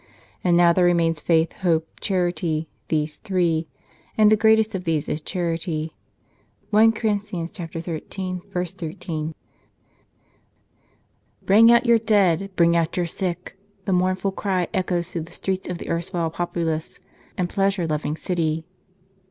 ... And now there remain faith, hope, charity, these three ; and the greater of these is charity " (i Cor. xiii. 13). " Bring out your dead ! Bring out your sick !" The mournful cry echoes through the streets of the erstwhile populous and pleasure loving city.